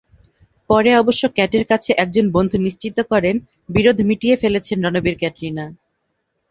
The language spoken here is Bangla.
পরে অবশ্য ক্যাটের কাছের একজন বন্ধু নিশ্চিত করেন, বিরোধ মিটিয়ে ফেলেছেন রণবীর-ক্যাটরিনা।